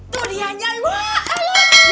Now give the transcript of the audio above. tuh dia nyai